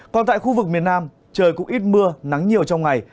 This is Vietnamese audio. còn tại khu vực miền nam trời cũng ít mưa nắng nhiều trong ngày